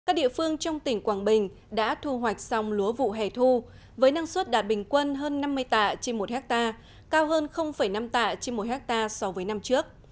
các địa phương trong tỉnh quảng bình đã thu hoạch xong lúa vụ hè thu với năng suất đạt bình quân hơn năm mươi tạ trên một hectare cao hơn năm tạ trên một hectare so với năm trước